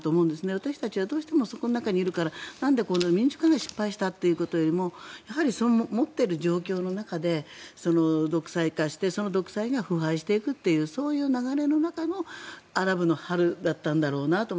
私たちはどうしてもそこの中にいるからなんでこんな民主化が失敗したということよりも持っている状況の中で独裁化してその独裁が腐敗していくというそういう流れの中のアラブの春だったんだろうなと。